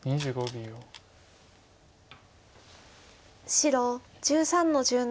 白１３の十七。